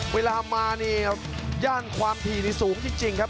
เวลามานี่ย่านความถี่นี่สูงจริงครับ